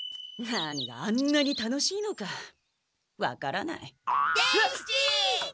何があんなに楽しいのか分からない。